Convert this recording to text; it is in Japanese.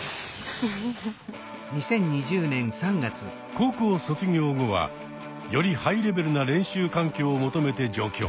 高校卒業後はよりハイレベルな練習環境を求めて上京。